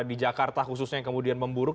di jakarta khususnya yang kemudian memburuk